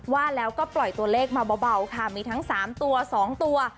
ว่าแล้วก็ปล่อยตัวเลขมาเบาค่ะมีทั้ง๓ตัว๒ตัว